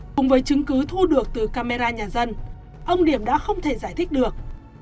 cùng với chứng cứ thu được từ camera nhà dân ông điểm đã không thể giải thích được